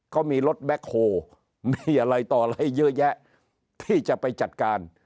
ก็มีรถแบ็คโฮมีอะไรต่ออะไรเยอะแยะที่จะไปจัดการ